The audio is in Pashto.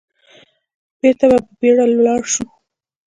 بېرته په بيړه ولاړ شو.